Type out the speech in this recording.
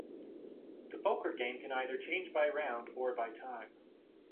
The poker game can either change by round or by time.